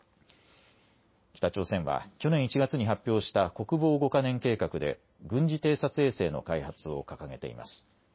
北朝鮮は去年１月に発表した国防５か年計画で軍事偵察衛星の開発を掲げています。